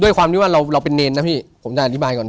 ด้วยความที่ว่าเราเป็นเนรนะพี่ผมจะอธิบายก่อน